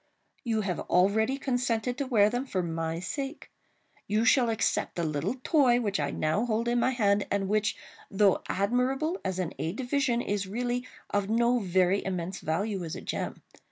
—you have already consented to wear them, for my sake. You shall accept the little toy which I now hold in my hand, and which, though admirable as an aid to vision, is really of no very immense value as a gem.